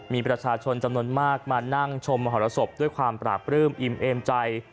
มีประชาชนจำนวนมากมานั่งชมมหรสบด้วยความปราบปลื้มอิ่มเอมใจ